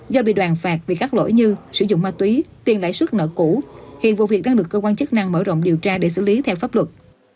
do bị đoàn phạt vì các lỗi như sử dụng ma túy tiền lãi suất nợ cũ hiện vụ việc đang được cơ quan chức năng mở rộng điều tra để xử lý theo pháp luật